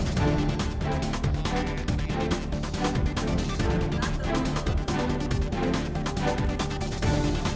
satu kali semua